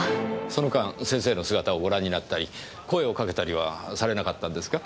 その間先生の姿をご覧になったり声をかけたりはされなかったんですか？